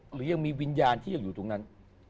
หรือยังมีวิญญาณที่ยังอยู่ตรงนั้น